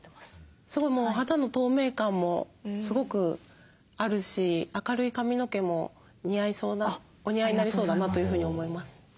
すごいもう肌の透明感もすごくあるし明るい髪の毛も似合いそうなお似合いになりそうだなというふうに思います。